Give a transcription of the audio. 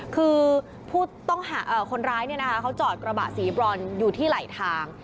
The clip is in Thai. คือผู้ต้องหาเอ่อคนร้ายเนี่ยนะคะเขาจอดกระบะสีบรอนอยู่ที่ไหลทาง